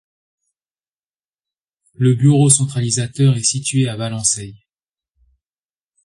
Le bureau centralisateur est situé à Valençay.